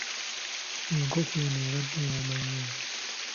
Enkoko eno ebadde ewooma nnyo.